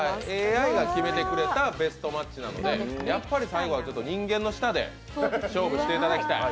ＡＩが決めてくれたベストマッチなのでやっぱり最後は人間の舌で勝負していただきたい。